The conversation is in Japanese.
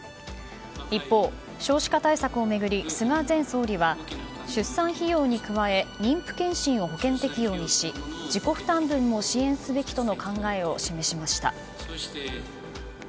一方、少子化対策を巡り菅前総理は出産費用に加え妊婦健診を保険適用にし自己負担分も支援すべきとの考えを示しました。